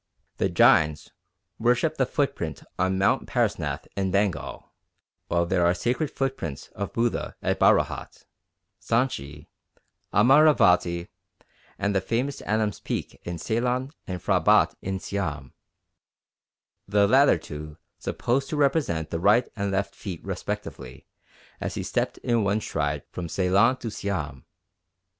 The Jains worship the footprint on Mount Parasnath in Bengal; while there are sacred footprints of Buddha at Bharahat, Sanchi, Amaravati, and the famous Adam's Peak in Ceylon and at Phra Bat in Siam, the latter two supposed to represent the right and left feet respectively as he stepped in one stride from Ceylon to Siam.